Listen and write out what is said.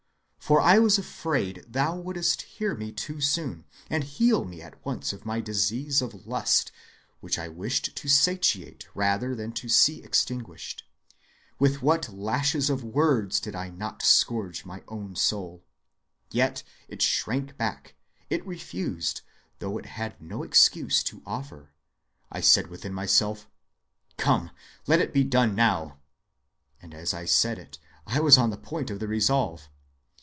For I was afraid thou wouldst hear me too soon, and heal me at once of my disease of lust, which I wished to satiate rather than to see extinguished. With what lashes of words did I not scourge my own soul. Yet it shrank back; it refused, though it had no excuse to offer.... I said within myself: 'Come, let it be done now,' and as I said it, I was on the point of the resolve.